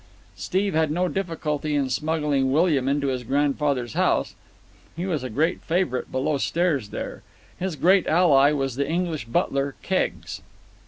Steve had no difficulty in smuggling William into his grandfather's house. He was a great favourite below stairs there. His great ally was the English butler, Keggs.